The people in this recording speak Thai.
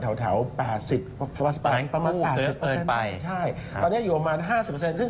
ใช่ตอนนี้อยู่ประมาณ๕๐เปอร์เซ็นต์